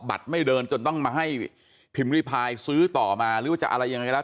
ไม่เดินจนต้องมาให้พิมพ์ริพายซื้อต่อมาหรือว่าจะอะไรยังไงก็แล้ว